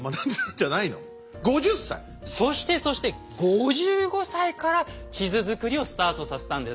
そしてそして５５歳から地図作りをスタートさせたんです。